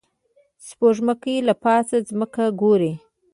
سپوږمکۍ له پاسه ځمکه ګوري